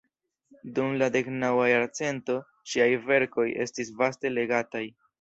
Dum la deknaŭa jarcento ŝiaj verkoj estis vaste legataj.